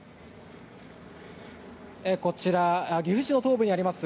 こちら岐阜市の東部にあります